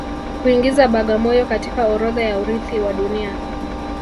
Kuingiza Bagamoyo katika orodha ya urithi wa Dunia